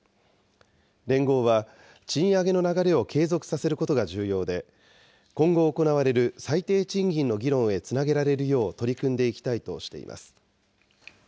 連合は、賃上げの流れを継続させることが重要で、今後行われる最低賃金の議論へつなげられるよう取り組んでいきたいとしています。